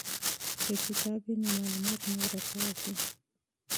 که کتاب وي نو معلومات نه ورک کیږي.